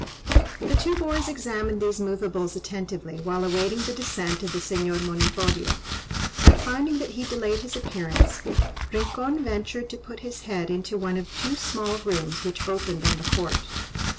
The two boys examined these moveables attentively while awaiting the descent of the Señor Monipodio, but finding that he delayed his appearance, Rincon ventured to put his head into one of two small rooms which opened on the court.